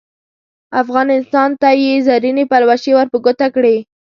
افغان انسان ته یې زرینې پلوشې ور په ګوته کړې.